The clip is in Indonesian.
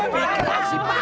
apa pikirnya sih pak